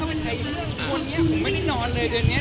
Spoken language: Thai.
ขอบบอกเลยว่าเสียใจ